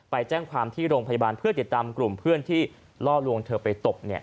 ไปแจ้งความที่โรงพยาบาลเพื่อติดตามกลุ่มเพื่อนที่ล่อลวงเธอไปตบ